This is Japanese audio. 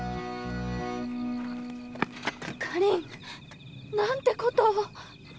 かりん何てことを。